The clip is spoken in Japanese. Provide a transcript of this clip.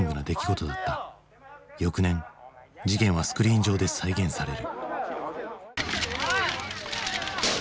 翌年事件はスクリーン上で再現される。